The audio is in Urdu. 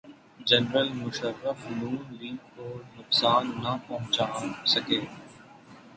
جنرل مشرف نون لیگ کو نقصان نہ پہنچا سکے۔